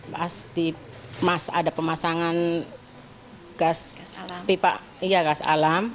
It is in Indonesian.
pas di mas ada pemasangan gas alam